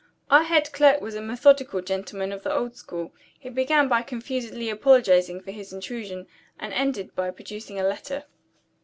Our head clerk was a methodical gentleman of the old school. He began by confusedly apologizing for his intrusion; and ended by producing a letter.